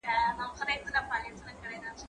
ايا ته پلان جوړوې